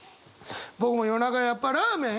僕も夜中やっぱラーメン。